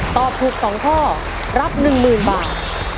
ตอบถูก๒ข้อรับ๑๐๐๐บาท